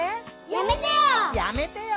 「やめてよ」